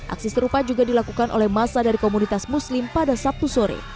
aksi serupa juga dilakukan oleh masa dari komunitas muslim pada sabtu sore